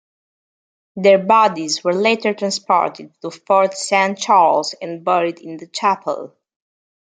Their bodies were later transported to Fort Saint-Charles and buried in the chapel.